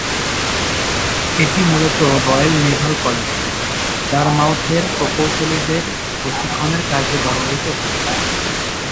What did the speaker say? এটি মূলত royal naval college, ডারমাউথের প্রকৌশলীদের প্রশিক্ষণের কাজে ব্যবহৃত হতো।